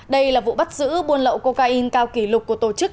đây là vụ bắt giữ buôn lậu cocaine cao kỷ lục của tổ chức